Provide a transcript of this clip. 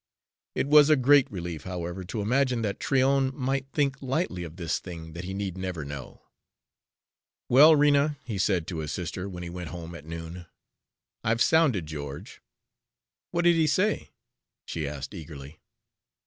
It was a great relief, however, to imagine that Tryon might think lightly of this thing that he need never know. "Well, Rena," he said to his sister when he went home at noon: "I've sounded George." "What did he say?" she asked eagerly.